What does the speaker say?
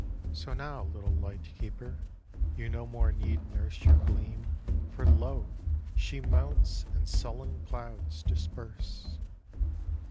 So now, little light keeper, you no more need nurse Your gleam, for lo! she mounts, and sullen clouds disperse.